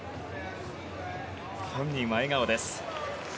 本人は笑顔です。